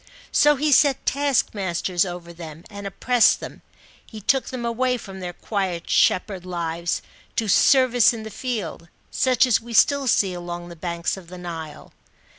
So he set taskmasters over them and oppressed them. He took them away from their quiet shepherd lives, to "service in the field," such as we still see along the banks of the Nile.